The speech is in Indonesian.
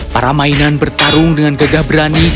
para mainan bertarung dengan gagah berani